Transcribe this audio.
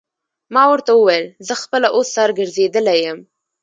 ما ورته وویل: زه خپله اوس سر ګرځېدلی یم.